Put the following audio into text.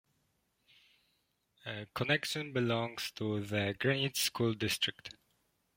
Connection belongs to the Granite School District.